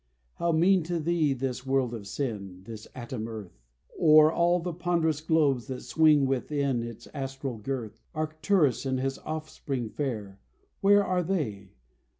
How mean to thee this world of sin, This atom earth! Or all the ponderous globes that swing within Its astral girth. Arcturus and his offspring fair Where are they?